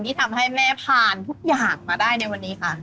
ที่ทำให้แม่ผ่านทุกอย่างมาได้ในวันนี้ค่ะ